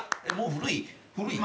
古い？